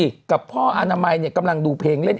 ดีใจด้วยพ่อโลกพ่อแม่เขาก็ดีใจนะเพราะตอนแรกเม่าเสียใจมาก